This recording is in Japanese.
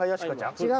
違う。